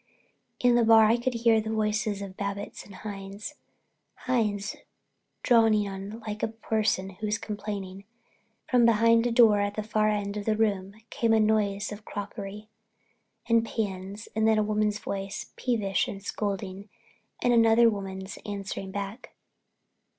In the bar I could hear the voices of Babbitts and Hines, Hines droning on like a person who's complaining. From behind a door at the far end of the room came a noise of crockery and pans and then a woman's voice, peevish and scolding, and another woman's answering back.